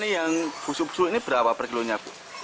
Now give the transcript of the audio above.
yang busuk busuk ini berapa per kilonya